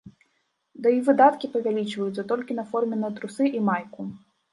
Ды і выдаткі павялічваюцца толькі на форменныя трусы і майку.